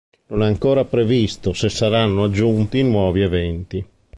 Non è ancora previsto se saranno aggiunti nuovi eventi.